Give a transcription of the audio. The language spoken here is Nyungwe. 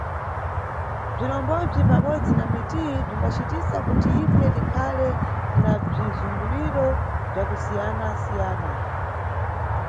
Bzirombobzi pabodzi na mitiyi bzimbacitisa kuti ife tikhale na bzizunguliro bza kusiyanasiyana.